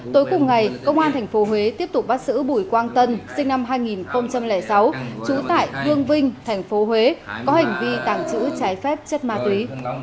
tối cùng ngày công an thành phố huế tiếp tục bắt giữ bùi quang tân sinh năm hai nghìn sáu trú tại phương vinh thành phố huế có hành vi tàng trữ trái phép chất ma túy